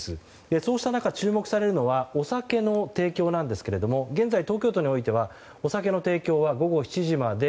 そうした中、注目されるのはお酒の提供なんですが現在、東京都においてはお酒の提供は午後７時まで。